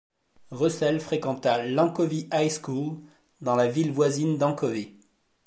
Russell fréquenta l'Anchovy High School dans la ville voisine d'Anchovy.